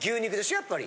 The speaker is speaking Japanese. やっぱり。